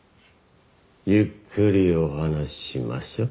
ゆっくりお話しましょう。